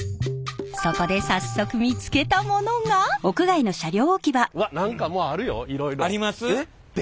そこで早速うわっ何かもうあるよいろいろ。あります？